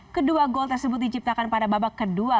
kedua gol tersebut diciptakan pada babak kedua